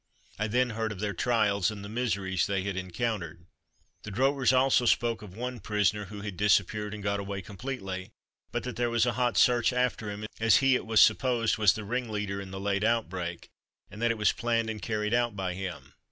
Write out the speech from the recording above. I then heard of their trials and the miseries they had encountered. The drovers also spoke of one prisoner who had disappeared and got away completely, but that there was a hot search after him, as he, it was supposed, was the ringleader in the late outbreak, and that it was planned and carried out by him.